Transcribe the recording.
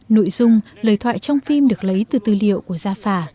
nội dung lời thoại trong phim được lấy từ tư liệu của gia phả